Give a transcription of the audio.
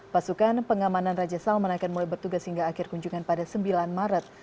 pasukan pengamanan raja salman akan mulai bertugas hingga akhir kunjungan pada sembilan maret